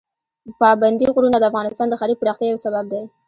پابندي غرونه د افغانستان د ښاري پراختیا یو سبب دی.